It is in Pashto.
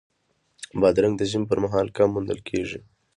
بادرنګ د ژمي پر مهال کم موندل کېږي.